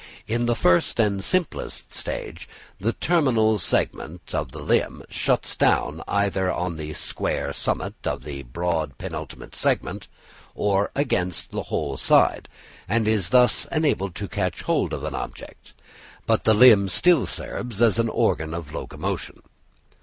In the first and simplest stage, the terminal segment of a limb shuts down either on the square summit of the broad penultimate segment, or against one whole side, and is thus enabled to catch hold of an object, but the limb still serves as an organ of locomotion.